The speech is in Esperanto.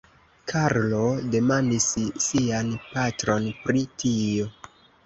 Karlo demandis sian patron pri tio.